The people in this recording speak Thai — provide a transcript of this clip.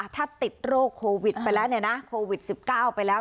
ถ้าติดโรคโควิด๑๙ไปแล้ว